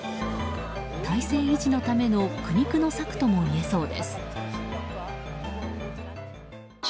体制維持のための苦肉の策ともいえそうです。